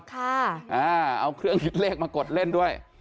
เอาเครื่องคิดเลขมากดเล่นด้วย